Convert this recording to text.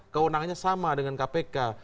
kewenangannya sama dengan kpk